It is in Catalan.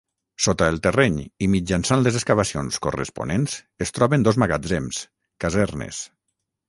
Sota el terreny i mitjançant les excavacions corresponents es troben dos magatzems, casernes.